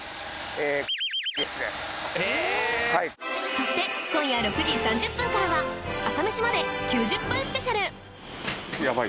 そして今夜６時３０分からは『朝メシまで。』９０分スペシャル